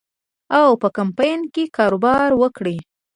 او په کمپاین کې کاروبار وکړي.